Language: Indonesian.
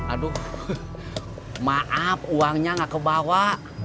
aduh maaf uangnya gak kebawa